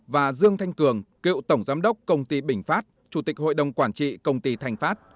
và dương thanh cường cựu tổng giám đốc công ty bình phát chủ tịch hội đồng quản trị công ty thành phát